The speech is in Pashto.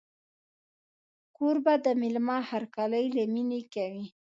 کوربه د مېلمه هرکلی له مینې کوي.